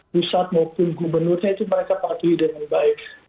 pusat maupun gubernurnya itu mereka patuhi dengan baik